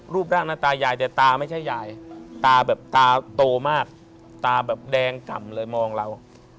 รูปร่างหน้าตายายแต่ตาไม่ใช่ยายตาแบบตาโตมากตาแบบแดงก่ำเลยมองเรา